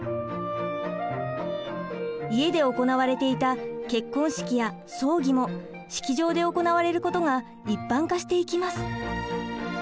家で行われていた結婚式や葬儀も式場で行われることが一般化していきます。